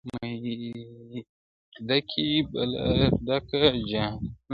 • میکده کي به له ډکه جامه ولاړ سم,